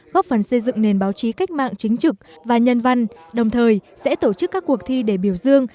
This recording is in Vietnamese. góp phần xây dựng nền báo chí cách mạng chính trực và nhân văn đồng thời sẽ tổ chức các cuộc thi để biểu dương